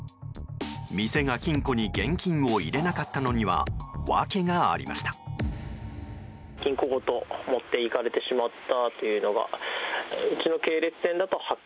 店が金庫に現金を入れなかったのには訳がありました。